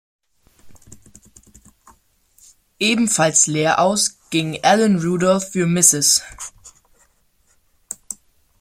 Ebenfalls leer aus ging Alan Rudolph für "Mrs.